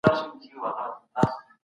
عدل او انصاف د یوي سالمې ټولني بنسټ دی.